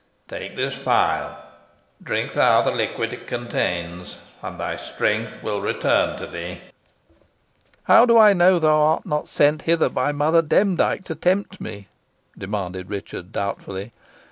Take this phial. Drink thou the liquid it contains, and thy strength will return to thee." "How do I know thou art not sent hither by Mother Demdike to tempt me?" demanded Richard, doubtfully.